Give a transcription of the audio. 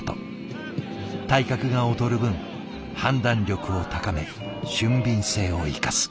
体格が劣る分判断力を高め俊敏性を生かす。